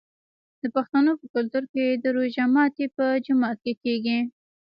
د پښتنو په کلتور کې د روژې ماتی په جومات کې کیږي.